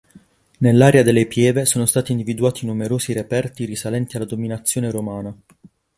Nell'area della pieve sono stati individuati numerosi reperti risalenti alla dominazione romana.